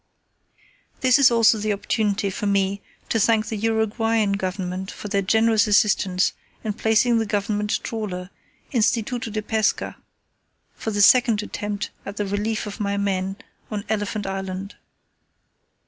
This is also the opportunity for me to thank the Uruguayan Government for their generous assistance in placing the government trawler, Instituto de Pesca, for the second attempt at the relief of my men on Elephant Island.